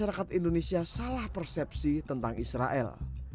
masyarakat indonesia salah persepsi tentang israel